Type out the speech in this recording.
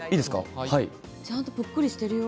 ちゃんとぷっくりしているよ。